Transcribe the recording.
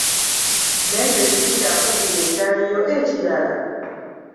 N'ekyo kiti kya kubiri ekyaliyo ekirala?